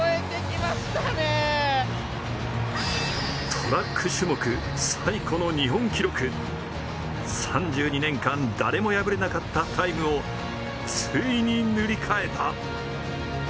トラック種目最古の日本記録、３２年間誰も敗れなかったタイムをついに塗り替えた。